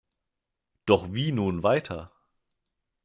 Doch wie nun weiter?